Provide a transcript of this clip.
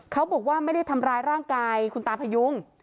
เขาบอกว่าไม่ได้ทำร้ายร่างกายคุณตาพยุง